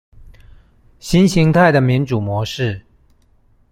新型態的民主模式